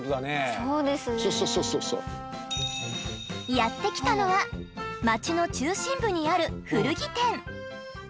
やって来たのは街の中心部にある古着店。